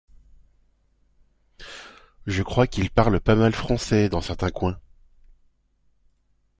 je crois qu’ils parlent pas mal français dans certains coins.